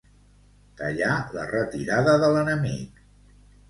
Tallar la retirada de l'enemic.